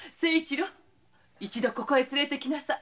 一度ここへ連れて来なさい。